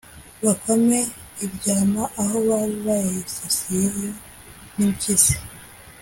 bakame iryama aho bari bayisasiye yo n' impyisi